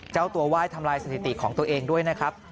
เจ้าตัวไหว้ทำลายสถิติของตัวเองด้วยนะครับ